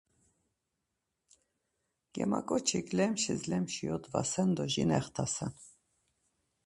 Germaǩoçik lemşis lemşi yodvasen do jin extasen.